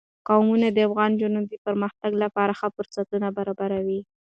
قومونه د افغان نجونو د پرمختګ لپاره ښه فرصتونه برابروي.